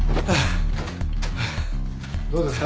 どうですか？